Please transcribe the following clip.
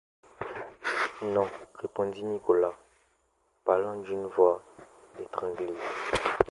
Non, répondit Nicolas Palander d’une voix étranglée.